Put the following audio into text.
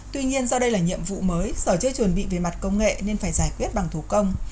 tuy nhiên do đây là nhiệm vụ mới sở chưa chuẩn bị về mặt công nghệ nên phải giải quyết bằng thủ công